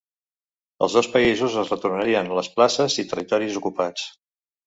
Els dos països es retornarien les places i territoris ocupats.